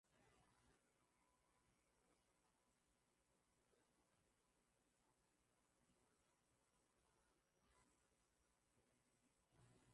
Nyingi Scofied Ruge Mutahaba Ruge Mutahaba amefariki Afrika kusini alikokuwa akipokea